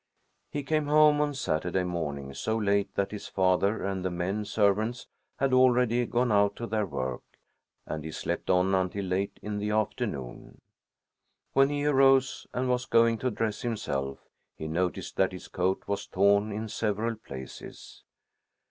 He came home on Saturday morning so late that his father and the men servants had already gone out to their work, and he slept on until late in the afternoon. When he arose and was going to dress himself, he noticed that his coat was torn in several places.